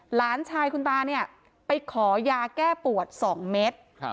หลานชายคุณตาเนี่ยไปขอยาแก้ปวด๒เมตร